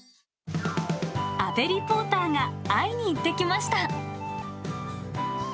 阿部リポーターが会いに行ってきました。